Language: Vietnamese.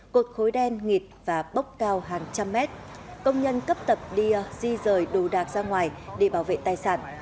cột khói đen nghịt và bốc cao hàng trăm mét công nhân cấp tập đi di rời đồ đạc ra ngoài để bảo vệ tài sản